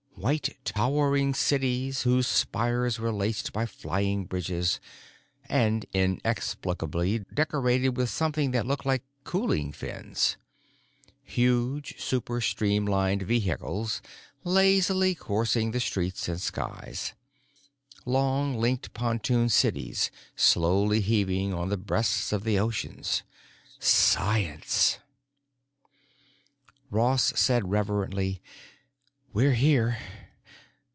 White, towering cities whose spires were laced by flying bridges—and inexplicably decorated with something that looked like cooling fins. Huge superstreamlined vehicles lazily coursing the roads and skies. Long, linked pontoon cities slowly heaving on the breasts of the oceans. Science! Ross said reverently, "We're here.